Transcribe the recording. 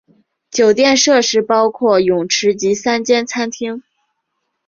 酒店设施包括泳池及三间餐厅。